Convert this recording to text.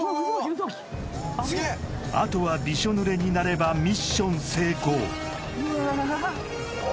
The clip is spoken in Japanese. あとはびしょ濡れになればミッション成功